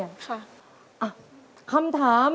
ขอบคุณครับ